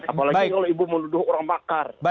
apalagi kalau ibu menuduh orang makar